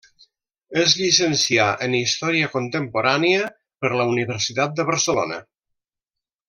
Es llicencià en història contemporània per la Universitat de Barcelona.